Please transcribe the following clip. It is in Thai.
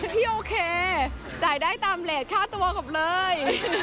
พี่โอเคจ่ายได้ตามเลสค่าตัวผมเลย